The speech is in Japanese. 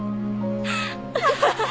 ハハハハ。